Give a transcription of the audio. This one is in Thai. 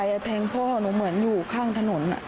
มันโหดเกินไปแทงพ่อนูเหมือนอยู่ข้างถนนน่ะ